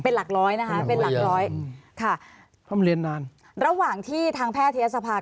เป็นหลักร้อยนะคะเป็นหลักร้อยค่ะทำเรียนนานระหว่างที่ทางแพทย์ทียาทรภาค